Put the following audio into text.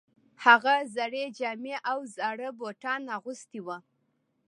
هغه زړې جامې او زاړه بوټان اغوستي وو